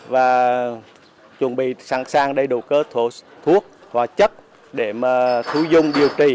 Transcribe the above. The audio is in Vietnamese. và chuẩn bị sẵn sàng đầy đủ cơ thuốc và chất để thu dung điều trị